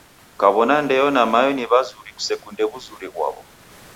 Kaw'ona ndeyo na mayo ni w'azuri kusekunde w'uzuri ghwaw'o.